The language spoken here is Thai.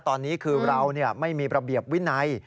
ตอนนี้คือเราไม่มีระเบียบวินัย